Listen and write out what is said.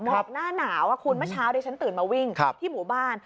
หมอกหน้าหนาวคุณเมื่อเช้าดิฉันตื่นมาวิ่งที่หมู่บ้าน